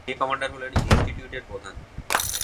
সিলেট এলাকার area commander হলেন ইনস্টিটিউটের প্রধান।